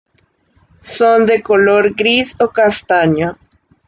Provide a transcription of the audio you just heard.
Son de color gris o castaño.